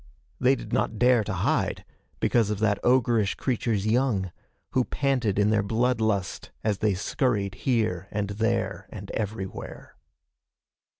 They did not dare to hide because of that ogreish creature's young, who panted in their blood lust as they scurried here and there and everywhere.